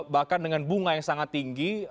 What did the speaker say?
bahkan dengan bunga yang sangat tinggi